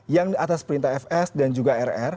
yang atas perintah fs dan juga rr